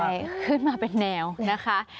ใช่ขึ้นมาเป็นแนวนะคะ